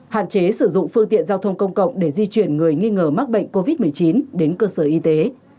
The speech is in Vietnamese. hạn chế sử dụng phương tiện giao thông công cộng để di chuyển người nghi ngờ mắc bệnh covid một mươi chín đến cơ sở y tế